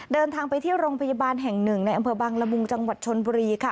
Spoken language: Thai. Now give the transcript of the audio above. เดินทางไปที่โรงพยาบาลแห่งหนึ่งในอำเภอบังละมุงจังหวัดชนบุรีค่ะ